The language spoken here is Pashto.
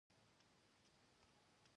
نور د هرات خواته په تېښته بريالي شول.